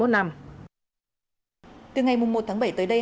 từ ngày một tháng bảy tới đây